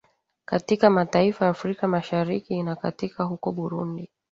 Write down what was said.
katika mataifa afrika mashariki na kati huko burundi